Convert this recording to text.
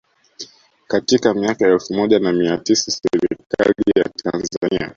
Katika miaka ya elfu moja na mia tisa Serikali ya Tanzania